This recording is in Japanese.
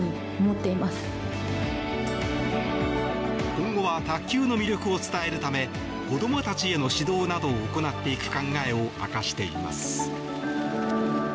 今後は卓球の魅力を伝えるため子供たちへの指導などを行っていく考えを明かしています。